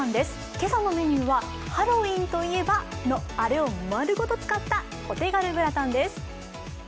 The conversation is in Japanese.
今朝のメニューは、ハロウィーンといえば、のあれを丸ごと使ったお手軽グラタンです。